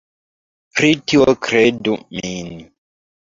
Pri tio kredu min.